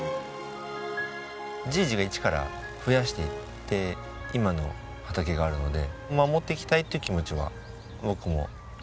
じぃじが一から増やしていって今の畑があるので守っていきたいって気持ちは僕も妻と一緒であります。